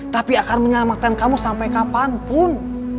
tapi akan menyelamatkan kamu sampai kapanpun